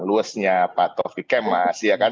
luesnya pak taufik kemas